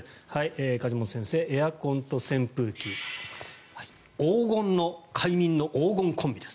梶本先生、エアコンと扇風機黄金コンビです。